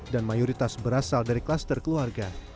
dan mayoritas berasal dari klaster keluarga